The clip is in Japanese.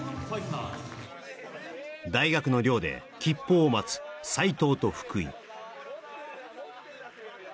大学の寮で吉報を待つ斎藤と福井